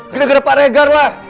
gara gara pak regar lah